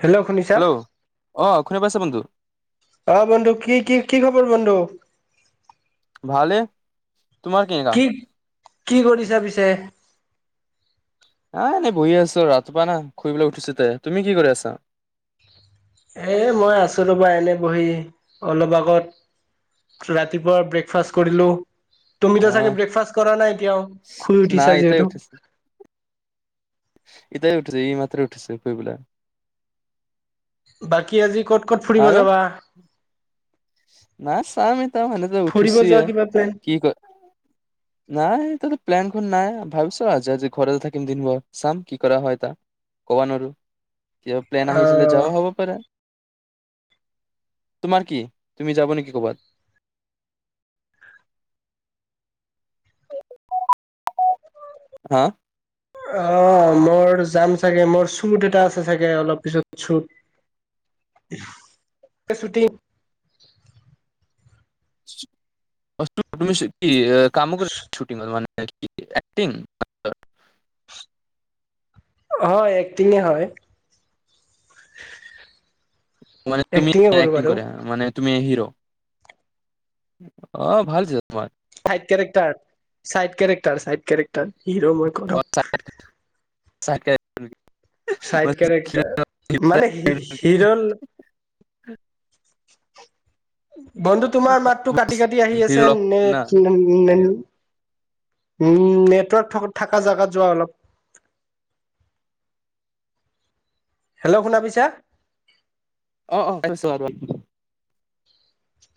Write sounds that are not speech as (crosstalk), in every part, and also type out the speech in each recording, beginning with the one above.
Hello শুনিছা কোনে পাইছে ফোনটো। আহ বন্ধু কি কি কি খবৰ বন্ধু? ভালে তোমাৰ কেনেকা কি কি কৰিছা পিছে? এ এনেই বহি আছো ৰাতিপুৱা না শুই পেলাই উঠিছ তাই। তুমি কি কৰি আছা? এ মই আছো ৰ'বা এনে বহি অলপ আগত ৰাতিপুৱা ব্ৰেকফাষ্ট কৰিলো। অ তুমিতো চাগে ব্ৰেকফাষ্ট কৰা নাই এতিয়াও শুই নাই উঠিছা যিহেতু ইটাই উঠিছে ই মাত্ৰ উঠিছে শুইপেলাই। বাকী আজি ক'ত ক'ত ফুৰিব যাবা? নাই চাম তাৰ সেনেকে ফুৰিব উঠিছো যোৱা কিবা প্লেন কি কয় নাই ততে প্লান নাই ভাবিছো আজি আজি ঘৰতে থাকিম দিনভৰ চাম কি কৰা হয় ত কব নৱাৰো। ক প্লেন আহিছিল আহ যাবা হব পাৰে তোমাৰ কি তুমি যাব নেকি ক'বাত? হা অ মোৰ যাম চাগে মোৰ চুত এটা আছে চাগে অলপ পিছত চুত। এ ছুটি তুমি কি কাম কৰে শুটিং ম মানে একটিং হয় এক্টিঙে হয় মানে তুমি্ এক্টিঙে কৰো (unintelligible) বাৰু কৰে মানে তুমি আহি আহ ভাল হৈছে তোমাৰ। Side character side character side character hero মই কৰম। চাকেত। চাইড কেৰেক্টাৰ মানে হিৰল (inaudible) বন্ধু তোমাৰ মাততটো কাটি কাটি আহি হিৰ আছে নে না উ উম নেটৱৰ্ক থ থকা জোগাত যোৱা অলপ। (unintelligible) হেল্ল' শুনা পাইছা। অ অছো আৰু।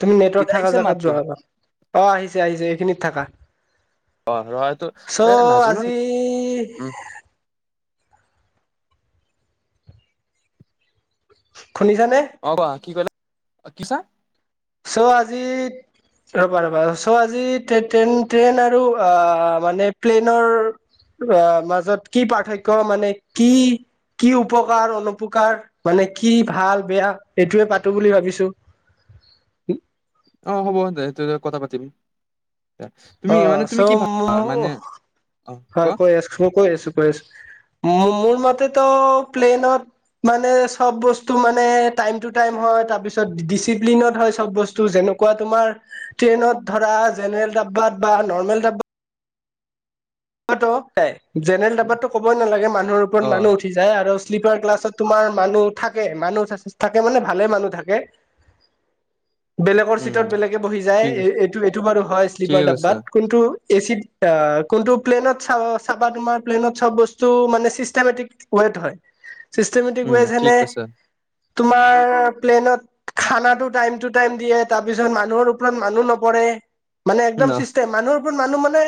তুমি নেটৱৰ্ক এতিয়া থকা আহিছে জেগাত মাততো যোৱা অ আহিছে আহিছে এইখিনিত থাকা। অ ৰহটো চ' এ নাজানো আজি উম শুনিছানে অ কোৱা, কি কলা, কি চা? চ' আজি ৰবা ৰবা চ' আজি ট্ৰেইন ট্ৰেইন ট্ৰেইন আৰু অ মানে প্লেনৰ অ মাজত কি পাৰ্থক্য মানে কি কি উপকাৰ- অনুপকাৰ মানে কি ভাল -বেয়া এইটোৱে পাতো বুলি ভাবিছো। (unintelligible) কি অ হ'বহতে কথা পাতিম। তুমি অ মানে তুমি কি ভাবা মানে চ' অ হয় কোৱা কৈ আছো মই কৈ আছো কৈ আছো মোৰ মতেতো প্লেনত মানে চব বস্তু মানে টাইম টু টাইম হয় তাৰ পিছত, ডিচিপ্লিনত হয় চব বস্তু যেনে তেনেকুৱা তোমাৰ ট্ৰেইনত ধৰা জেনেৰেল ডাব্বাত বা নৰ্মেল ডাব্বাত অতো হয়, জেনেৰেল দবাতো ক'বই নালাগে মানুহৰ অ ওপৰত মানুহ উঠি যায় আৰু শ্লিপাৰ ক্লাছত তোমাৰ মানুহ থাকে মানুহ থাকে মানে ভালে মানুহ থাকে। (unintelligible) বেলেগৰ উম চিটত বেলেগে বহি যায়, ঠিক আছে এইটো এইটো বাৰু হয় শ্লিপাৰ ঠিকে কৈছা ডাব্বাত। কোনটো? এচিত আ কোনটো প্লেনত চাবা চাবা তোমাৰ প্লেনত চব বস্তু মানে চিষ্টেমেটিক ৱেট হয়। চিষ্টেমেটিক উম ৱেজ ঠিক যেনে কৈছা তোমাৰ প্লেনত খানাটো টাইম টু টাইম দিয়ে, তাৰ পিছত মানুহৰ ওপৰত মানুহ নপৰে। মানে ন একদম চিষ্টেম, মানুহৰ ওপৰত মানুহ মানে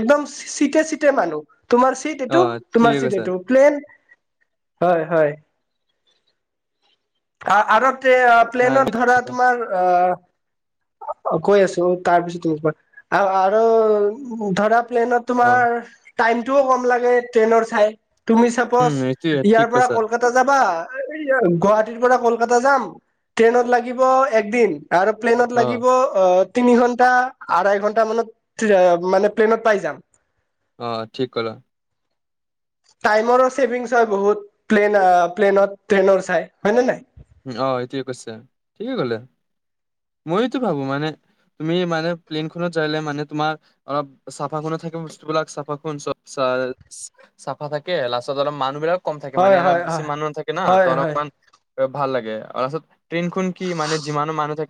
একদম চিটে চিটে মানুহ। তোমাৰ চিট অ এইটো ঠিকে তোমাৰ চিট কৈছা এইটো প্লেন হয় হয়। আ আৰু প্লেনৰত ধৰা তোমাৰ আ অ কৈ আছো তাৰপিছতে আৰু আৰু ধৰা প্লেনত অ তোমাৰ টাইমটোও কম লাগে, ট্ৰেইনৰ চাই। তুমি উম, চাপজ এইটোয়ে ঠিক ইয়াৰ পৰা কৈছা। কলকাতা যাবা, গোৱা হাটীৰ পৰা কলকাতা যাম, ট্ৰেইনত লাগিব এক দিন আৰু প্লেনত লাগিব অ তিনি ঘন্টা, আঢ়াই ঘন্টা মানত মানে প্লেনত পাই যাম। অ ঠিক কলা। টাইমৰো ছেভিংছ হয় বহুত প্লেন প্লেনত ট্ৰেইনৰ চাই। হয় নে নাই? অ এইটোৱে কৈছে, ঠিকে কলে মইতো ভাবো মানে তুমি মানে প্লেইনখনত যাইলে মানে তোমাৰ অলপ চাফাকুণত থাকে বস্তুবিলাক চাফাকুণ চব চাফ আ চাফা থাকে লাষ্টত অলপ মানুহ বিলাক কম থাকে মানে হয় অ হয় বেছি হয় মানুহ থাকে না ত হয় হয় অলপমান ভাল লাগে আৰু, তাৰপাছত ট্ৰেইন খন কি মানে যিমানো মানুহ থাক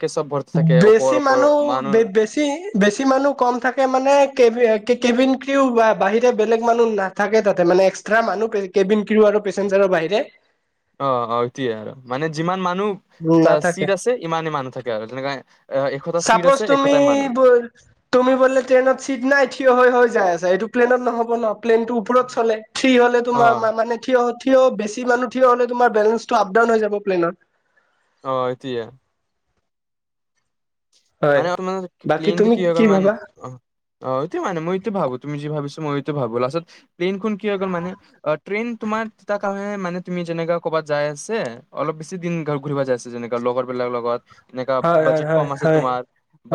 বেছি মানুহ বেছি বেছি মানুহ কম থাকে মানে কেবিন কে কেবিন ক্ৰিও বা বাহিৰে বেলেগ মানুহ নাথাকে তাতে মানে এক্সট্ৰা মানুহ কেবিন ক্ৰিও আৰু পেচেঞ্জাৰৰ বাহিৰে অ অ সিটোয়ে আৰু মানে যিমান মানুহ নাথাকে চিট আছে ইমানেই মানুহ থাকে আৰু তেনেকা চাপজ তুমি বো তুমি বোলে ট্ৰেইনত চিট নাই থিয় হৈ হৈ যাই আছ ছ এইটো প্লেনত নহ'ব ন, প্লেনতটো ওপৰত চলে, থ্ৰী হলে তোমাৰ অ', মানে থিয় থিয় বেছি মানুহ থিয় হলে তোমাৰ বেলেঞ্চটো আপ ডাউন হৈ যাব প্লেনত। অ এতিয়া। হয় মানে আপোনাৰ বাকী প্লেনটো তুমি কি হল মানে ভাবা অ অটো মানে মইটো ভাবো তুমি যি ভাবিছ মই এইটো ভাবো, লাষ্টত প্লেন খন কি হৈ গল মানে, ট্ৰেইন তোমাৰ তাৰকাৰণে মানে তুমি জেনেকা কবাত যাই আছে অলপ বেছি দিন ঘ ঘূৰিব যাই আছে যেনেকা লগৰ বিলাক লগত এনেকা হয় হয় বাজেট কম হয় আছে হয় তোমাৰ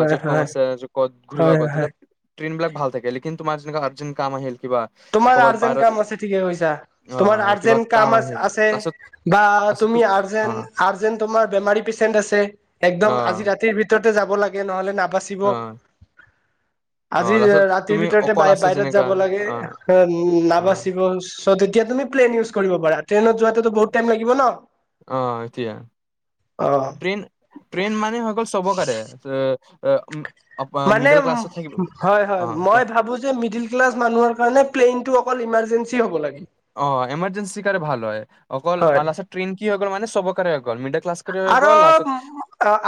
হয় কম হয় আছে কত ঘূৰিব হয় হয় গল হয় তেতিয়া ট্ৰেইন বিলাক ভাল থাকে লেকিন মাজ নিশা আৰ্জেণ্ট কাম আহিল কিবা তোমাৰ ক'ৰবাত আৰ্জেন্ট বাহিৰত কাম আছে ঠিকে কৈছা অ তোমাৰ কিবা আৰ্জেন্ট কাম আ আহিল আছে লাষ্টত বা লাষ্টত তুমি তুম অ আজেন্ আৰ্জেন্ তোমাৰ বেমাৰী পেচেন্ট আছে অ একদম আজি ৰাতিৰ ভিতৰত যাব লাগে নহলে না বাচিব অ অ আজি লাষ্টত ৰাতিৰ তুমি ভিতৰতে ব অকল আছে বাহিৰত যেনেকা যাব লাগে। অ অ নাবাচিব চ' তেতিয়া তুমি প্লেইন ইউজ কৰিব পাৰা ট্ৰেইনত যোৱাটোতো বহুত টাইম লাগিব ন আহ এতিয়া। অ ট্ৰেইন ট্ৰেইন মানে সকল চবকাৰে উ মানে হয় হয় মই ক ভাবো যে মিদিল ক্লাছ মানুহৰ কাৰণে অকল এমাৰ্জেঞ্চি হ'ব লাগে অ এমাৰ্জেঞ্চি কাৰণে ভাল হয় অকল হয় লাচত ট্ৰেইন কি হৈ গ'ল মানে চবকাৰে হৈ গ'ল ক্লাচ কৰি হৈ আৰু গ'ল লাষ্টত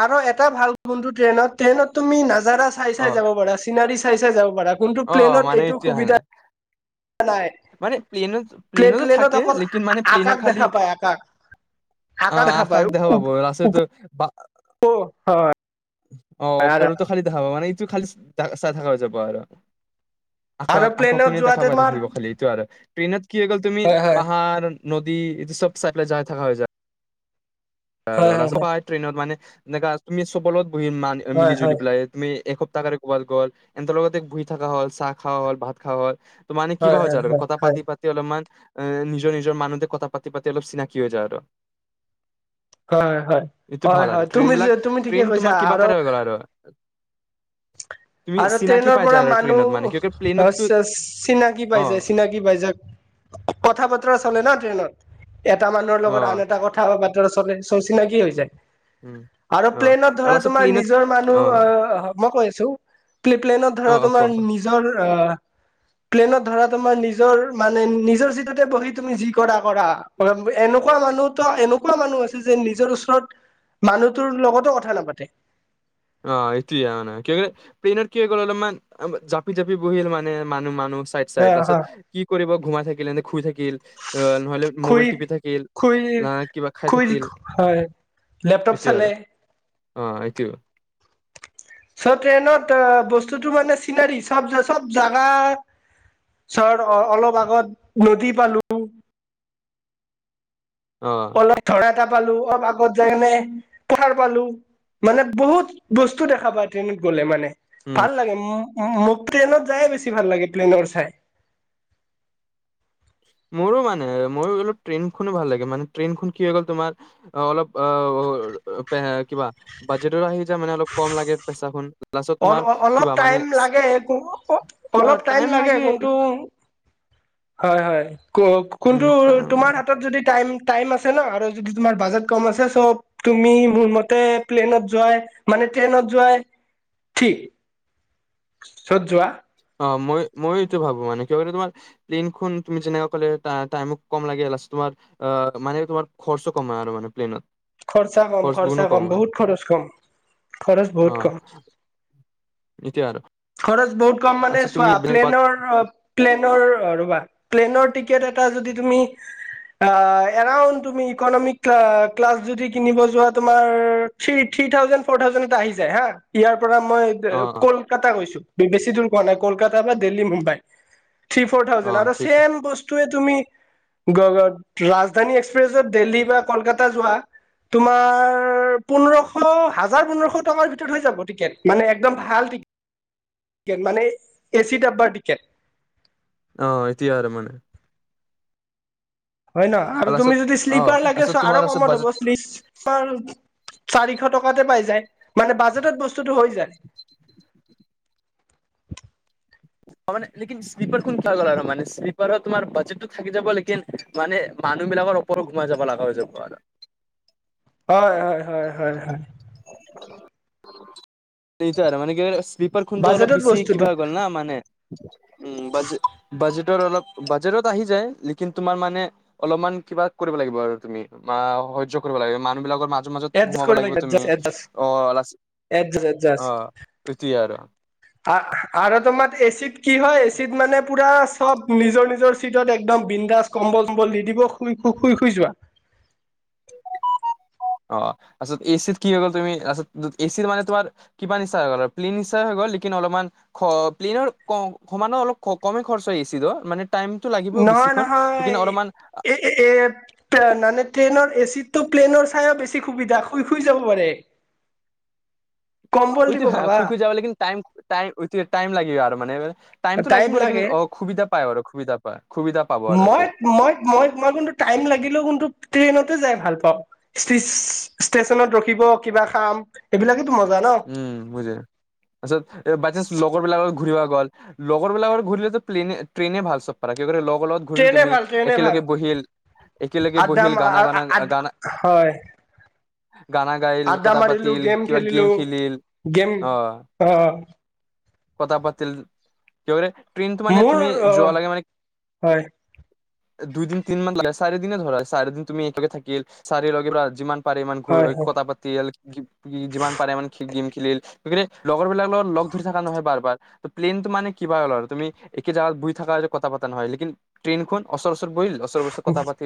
আৰু এটা ভাল বন্ধু ট্ৰেইনত ট্ৰেইনত তুমি নাজাৰা চাই অ চাই যাব পাৰা চিনাৰী চাই চাই যাব পাৰা কোনটো অ প্লেনত মানে এইটো এতিয়া সুবিধা নাই মানে প্লেন প্লে প্লেনতো প্লেনত থাকে অকল লেকিন মানে প্লেনৰ আকাশ খালি দেখা পায় আকাশ অ পায় আকাশ দেখা উপ পাব উপ ৰাস্তটো বা হয় অ আৰু ওপৰতো খালি দেখা পাব মানে এইটো খালি চাই থাকা যাব আৰু। আৰু আকক প্লেনত আকাশখনে দেখা যোৱাতে পাই তোমাৰ থাকিব খালি। আৰু ট্ৰেইনত কি হৈ গ'ল তুমি হয় হয় পাহাৰ নদী এইটো চব চাই পেলাই যাই থাকা হৈ যায়। হয় হয় ট্ৰেইনত মানে এনেকা তুমি চবৰ লগত বহি মান হয় মিলি জুলি হয় পেলাই তুমি এ তাকাৰে কোবাত গল এন্তৰ লগতে বুই থকা হল চাহ খোৱা হল ভাত খাৱা হল। ত মান হয় কিবা হয় হৈ হয় যাই আৰু হয় কথা পাতি পাতি অলপমান এ নিজৰ নিজৰ মানুহতে কথা পাতি পাতি অলপ চিনাকি হৈ যায় আৰু হয় হয় এইটো হয় ভাল হয় আৰু তুমি ট্ৰেইন যে বিলাক তুমি ঠিকে ট্ৰেইন কৈছা তোমাৰ কিবা আৰু কাৰে হৈ গল আৰু। তুমি আৰু চিনাকি ট্ৰেইনৰ পাই পৰা যায় আৰু ট্ৰেইনত মানে মানুহ কিয় প্লেইনততো চিনাকি অ পাই যায় চিনাকি পাই যায় কথা বতৰা চলে ন। ট্ৰেইনত এটা মানুহৰ লগত অ আন এটা কথা বা বাতৰা চলে চ, 'চিনাকি হৈ যায়। উম আৰু অ প্লেনত আৰু ধৰা লাষ্টত তোমাৰ প্লেইনত নিজৰ অ মানুহ আহ মই কৈ আছো প্লেনত ধৰা অ অ তোমাৰ কোৱা নিজৰ প্লেনত ধৰা তোমাৰ নিজৰ মানে, নিজৰ চিটতে বহি তুমি যি কৰা কৰা। (unintelligible) এনেকুৱা মানুহতো এনেকুৱা মানুহ আছে যে নিজৰ ওচৰত মানুহটোৰ লগতো কথা নাপাতে অ এইটোয়ে মানে কি প্লেনত কি গ'ল অলপ মান জাপি জাপি বহিল মানে মানুহ মানুহ। চাইড হা চাইড লাষ্ট হা ত কি কৰিব ঘুমাই থাকিল এনেই শুই থাকিল আহ নহলে খুই মোবাইল টিপি থাকিল। খুই না কিবা খাই খুই থাকিল হয় লেপটপ এইটোয়ে আৰু চালে অ এইটোয়ে চ ট্ৰেইনত বস্তুতটো মানে চিনাৰী চব চব জাগা চৰ অ অলপ আগত নদী পালো। অ অলপ ধৰা এটা পালো অলপ আগত যাই কেনে পাহাৰ পালো মানে বহুত বস্তু দেখা পায় ট্ৰেইনত গ'লে মানে উম ভাল লাগে। মোক প্লেনত যায়ে বেছি ভাল লাগে প্লেনৰ চাই মোৰো মানে মোৰো অলপ ট্ৰেইন খনে ভাল লাগে মানে ট্ৰেইন খন কি হৈ গ'ল তোমাৰ অ অলপ অ কিবা বাজেটৰ আহি মানে অলপ কম লাগে পইচা খন লাষ্টত অল তোমাৰ অলপ কিবা মানে টাইম লাগে অ টাইম লাগে কোনটো উ (inaudible) হয় হয় ক কোনটো উম তোমাৰ হাতত যদি টাইম টাইম আছে ন আৰু যদি তোমাৰ বাজেট কম আছে চ' তুমি মোৰ মতে প্লেনত যোৱাই মানে ট্ৰেইনত যোৱাই ঠিক চত যোৱা অ মই মইতটো ভাবো মান কিবলে তোমাৰ প্লেনখন তুমি যেনেুৱা কলে টাইমো কম লাগে আৰু তোমাৰ অ মানে তোমাৰ খৰচ কমাই আৰু মানে প্লেনত খৰচা কম, খৰচ খৰচা গুণো কম, হয় বহুত খৰচ কম। খৰচ বহুত কম। সেইটোৱেই আৰু। খৰচ বহুত কম মানে আচ্ছা চোৱা, তুমি বেলেগ বাত প্লেনৰ প্লেনৰ ৰবা। প্লেনৰ টিকেট এটা যদি তুমি, অ এনেও তুমি ইকনমিক আ ক্লাছ যদি কিনিব যোৱা তোমাৰ থ্ৰী ফি থ্ৰী থাউজেণ্ড ফৰ থাউজেণ্ড এটা আহি যায় হা। ইয়াৰ পৰা মই অ', অ', কল বি পি ছি টো কোৱা নাই কলকাতাৰ পৰা Delhi, Mumbai. Three four thousand অ', এটা ঠিক ছেম বস্তু তুমি ৰাজধানী এক্সপ্ৰেছত দিল্লী বা কলকাতা যোৱা, তোমাৰ পোন্ধৰশ, হাজাৰ পোন্ধৰশ টকাৰ ভিতৰত হৈ যাব টিকেট। মানে একদম ভাল টিকে কেট। মানে এ চি ডাব্বাৰ টিকেট। অ এতিয়াৰ মানে। হয় নহ, আৰু তুমি লাষ্টত যদি অ', শ্লিপাৰ লাগে আচ্ছা চ তোমাৰ আৰু আছে কমত বাজেট হ'ব। (unintelligible) চাৰিশ টকাতে পাই যায়। মানে বাজেটত বস্তুটো হৈ যায়। লেকিন শ্লিপাৰ কোন গ'ল আৰু মানে শ্লিপাৰ তোমাৰ বাজেটতো থাকি যাব লেকিন মানে মানুহ বিলাকৰ উপৰত ঘোমাই যাব লগা হৈ যাব আৰু। হয় হয়, হয় হয় হয়। (unintelligible) (inaudible) সেইটোৱে আৰু। মানে কি হয় শ্লিপাৰ খনটো অলপ বাজেটত বেছি বস্তুটো কিবা হৈ গ'ল না মানে। উ বাজে- বাজেটৰ অলপ, বাজেটত আহি যায়, লেকিন তোমাৰ মানে অলপমান কিবা কৰিব লাগিব আৰু তুমি, বা সহ্য কৰিব লাগিব। মানুহ বিলাকৰ মাজ তো মাজত এডজাষ্ট ঘুমাব কৰিব লাগিব লাগে তুমি। এডজাষ্ট এডজাষ্ট অঁ লাষ্ট এডজাষ্ট অ। সেইটোৱেই আৰু। আ- আৰু তোমাৰ এচিত কি হয়, এচিত মানে পুৰা চব নিজৰ নিজৰ চিটত একদম বিন্দাস কম্বল চম্বল দি দিব শুই শু- শুই শুই যোৱা। (inaudible) অ তাছত এচিত কি হৈ গ'ল তুমি তাৰপাছত, এচিত মানে তোমাৰ কিবা নিচিনা হৈ গ'ল অ প্লেইন নিচিনা হৈ গ'ল লেকিন অলমান, অ প্লেনৰ সমানে অলপ মানে কমে খৰছ হৈছিল, মানে টাইমটো লাগিবই নহয় বেছিখন লেকিন নহয়। অলপমান এ এ এ মানে ট্ৰেইনৰ এচি তো প্লেনৰ চাইও বেছি সুবিধা, শুই শুই যাব পাৰে। কম্বল উইটো দিব হয়, শুই ভাবা শুই যাব লাগে কিন্তু তাইম লাগে আৰু মানে। টাইমতটো টাইম লাগিব লেকিন লাগে অ সুবিধা পায় আৰু, সুবিধা পায়। সুবিধা পাব আৰু মই এতিয়া। মই মই মই কোনটো টাইম লাগিলেও কিন্তু ট্ৰেইনত টে যাই ভাল পাওঁ। ষ্টেচনত ৰখিব কিবা খাম, এইবিলাকে উম বুজিলোঁ। তাৰপিছত বাইচান্স লগৰ বিলাক লগত ঘূৰিব গল। লগৰবিলাকৰ লগত ঘূৰিলে তো প্লেইনে, ট্ৰেইনে ভাল চব পৰা। একেবাৰে ল গৰ লগত ঘূৰিল ট্ৰেইনে তুমি, ভাল ট্ৰেইনে ভাল একেলগে বহিল, একেলগে আড্ডা বহিল গানা গানা, গানা হয় গানা গাইল আড্ডা কথা মাৰিলোঁ, পাতিল গেম কিবা খেলিলোঁ, খেলিল গেম, অ অ। কথা পাতিল। কি বোলে ট্ৰেইনটো মানে মোৰ তুমি, অ যোৱা লাগে মানে হয় দুইদিন তিনদিনমান লগে, চাৰিদিনে ধৰা। চাৰিদিন তুমি একে থাকিল চাৰি লগে পৰা, যিমান পাৰে ইমানকৈ হয় হয় কথা পাতি, যিমান পাৰে মানে গেম খেলিল। মানে কি লগৰ বিলাক লগত লগ ধৰি থকা নহয় বাৰ বাৰ, প্লেনটো মানে কিবা হ'ল আৰু। তুমি কি যাৱাত শুই থাকা কথা পতা নহয়। লকিন ট্ৰেইনখন অচৰচৰ বহি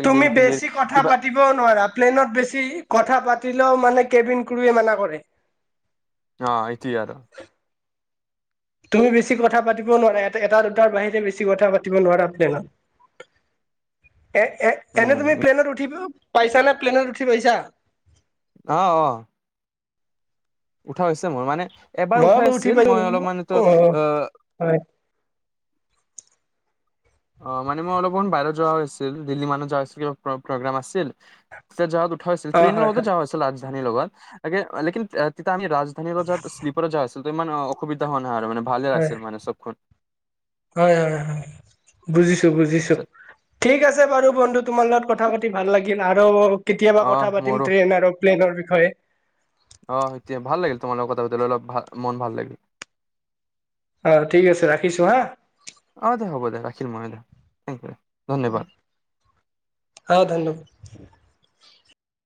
তুমি বেছি কথা পাতিবও নোৱাৰা। প্লেনত বেছি কথা পাতিলেও মানে কেবিন ক্ৰুৱে মানা কৰে। অ এতিয়া আৰু তুমি বেছি কথা পাতিব‌ও নোৱাৰা, এ এটা দুটাৰ বাহিৰে বেছি কথা পাতিব নোৱাৰা প্লেনত। (inaudible) এ- এ- এনে তুমি উম প্লেনত উঠি ব- পাইছা নে, প্লেনত উঠি পাইছা? আহ আহ। উঠা হৈছে মোৰ মানে এবাৰ মই উঠাই বাৰু উঠি আছিল পাইছো মই অলপমানটো অ আহ (unintelligible) হয় অ মানে মই অলপমান বাহিৰত যোৱা হৈছিল দিল্লী মানুত যোৱা হৈছিল কিবা প্ৰগ্ৰেম আছিল তে যোৱাত উঠা হৈছিল অ ট্ৰেইনৰ হয় লগতো হয় যোৱা হৈছিল ৰাজধানীৰ লগত আঁ লেকিন আম ৰাজধানী্লিপাৰ য আছিলো ইমান অসুবিধা হোৱা নাই (unintelligible) ভালে হয় আছিল মানে চবখন হয় হয় বুজিছো বুজিছো ঠিক আছে বাৰু বন্ধু তোমাৰ লগত কথা পাতি ভাল লাগিল আৰু কেতিয়াবা অহ কথা পাতিম ট্ৰেইন আৰু প্লেনৰ বিষয়ে অ সেইটোৱেই ভাল লাগিল তোমাৰ লগত কথা পাতিলে অলপ ভাল মন ভাল লাগিল (unintelligible) অ ঠিক আছে ৰাখিছো হা চিনেম থেংক ই। (unintelligible) অ ধুনো